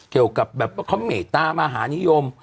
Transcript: เกี่ยวกับแบบว่าเขาเมตตามหานิยม